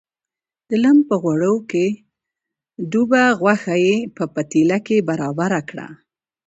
د لم په غوړو کې ډوبه غوښه یې په پتیله کې برابره کړه.